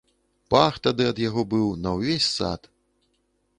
Пах тады ад яго быў на ўвесь сад!